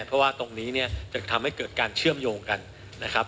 เพราะว่าตรงนี้เนี่ยจะทำให้เกิดการเชื่อมโยงกันนะครับ